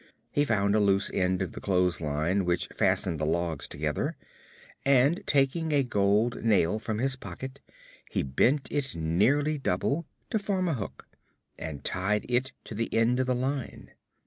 He found a loose end of the clothesline which fastened the logs together, and taking a gold nail from his pocket he bent it nearly double, to form a hook, and tied it to the end of the line.